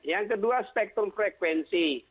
yang kedua spektrum frekuensi